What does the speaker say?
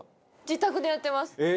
自宅でやってます。